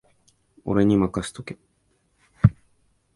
俺にまかせとけ